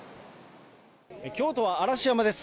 京都は嵐山です。